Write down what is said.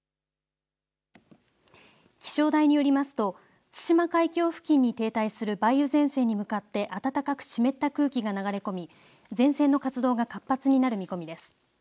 気象台によりますと対馬海峡付近に停滞する梅雨前線に向かって暖かく湿った空気が流れ込み、前線の活動が活発になる見込みです。